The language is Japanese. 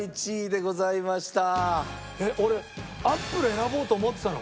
俺アップル選ぼうと思ってたの。